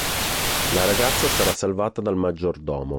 La ragazza sarà salvata dal maggiordomo.